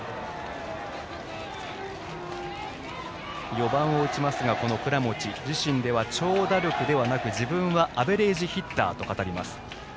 ４番を打ちますが、倉持自身では長打力ではなく自分はアベレージヒッターと語ります。